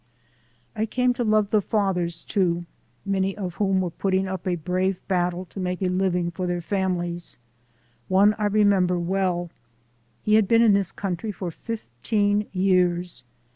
I came to love the fathers too, many of whom were putting up a brave battle to make a living for their families. One I remember well. He had been in this country for fifteen years.